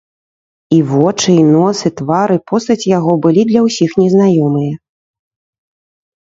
І вочы, і нос, і твар, і постаць яго былі для ўсіх незнаёмыя.